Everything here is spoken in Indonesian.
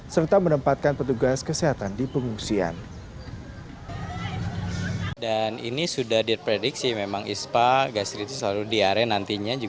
serta menempatkan petugas kesehatan di pengungsian